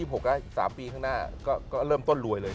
ผมก็อีก๓ปีข้างหน้าก็เริ่มต้นรวยเลย